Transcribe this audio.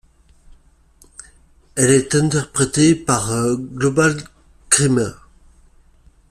Elle est interprétée par Global Kryner.